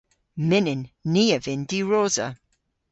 Mynnyn. Ni a vynn diwrosa.